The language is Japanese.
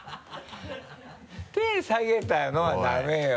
手下げたのはダメよ。